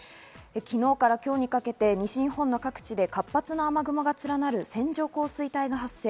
昨日から今日にかけて西日本の各地で活発な雨雲が連なる線状降水帯が発生。